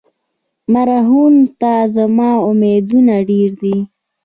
مرهون ته زما امیدونه ډېر دي.